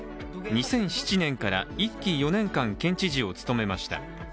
２００７年から１期４年間県知事を務めました。